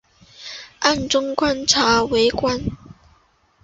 暗中观察围观